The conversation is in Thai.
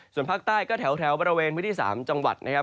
ส่วนภาคใต้ก็แถวบริเวณพื้นที่๓จังหวัดนะครับ